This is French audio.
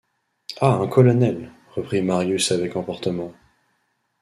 À un colonel! reprit Marius avec emportement.